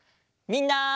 みんな。